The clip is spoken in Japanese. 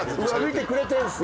見てくれてるんですね。